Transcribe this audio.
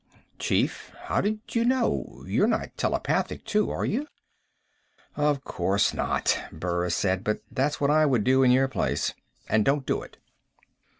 "Chief, how did you know you're not telepathic too, are you?" "Of course not," Burris said. "But that's what I would do in your place. And don't do it."